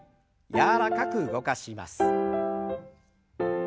柔らかく動かします。